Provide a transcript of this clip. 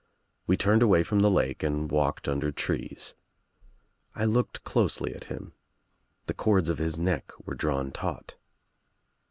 We turned away from the lake and walked riinder trees. I looked closely at him. The cords of lis neck were drawn taut.